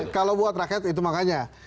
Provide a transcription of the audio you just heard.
kalau buat rakyat itu makanya